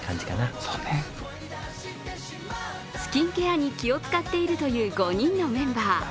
スキンケアに気を使っているという、５人のメンバー。